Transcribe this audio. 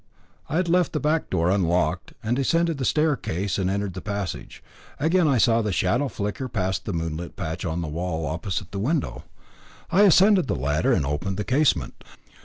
I had left the back door unlocked, and I ascended the staircase and entered the passage. Again I saw the shadow flicker past the moonlit patch on the wall opposite the window. I ascended the ladder and opened the casement.